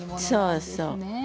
そうそう。